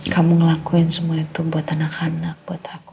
kamu ngelakuin semua itu buat anak anak buat aku